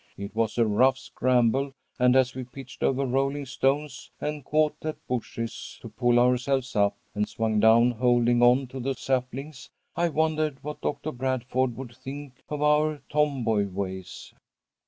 It was a rough scramble, and as we pitched over rolling stones, and caught at bushes to pull ourselves up, and swung down holding on to the saplings, I wondered what Doctor Bradford would think of our tomboy ways.